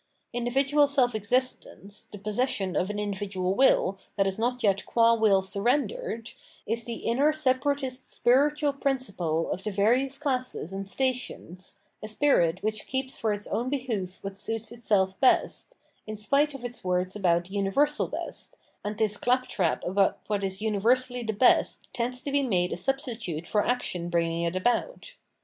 Individual self existence, the possession of an individual will that is not yet qua will surrendered, is the inner separa tist spiritual principle of the various classes and stations, a spirit which keeps for its own behoof what suits itself best, in spite of its words about 511 Culture and its Sphere of Reality the universal best, and this clap trap about what is universally the best tends to be made a substi tute for action bringing it about.